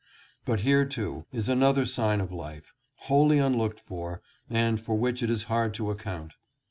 But here, too, is another sign of life, wholly unlooked for, and for which it is hard to account.